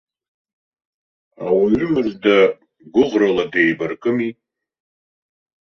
Ауаҩы мыжда гәыӷрала деибаркыми.